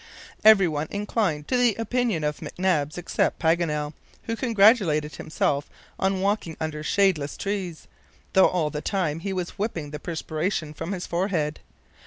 Everyone inclined to the opinion of McNabbs except Paganel, who congratulated himself on walking under shadeless trees, though all the time he was wiping the perspiration from his forehead.